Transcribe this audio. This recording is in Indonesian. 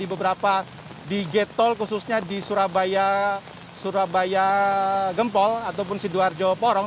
di beberapa di getol khususnya di surabaya surabaya gempol ataupun sidoarjo porong